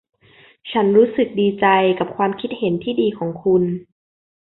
ฉันรู้สึกดีใจกับความคิดเห็นที่ดีของคุณ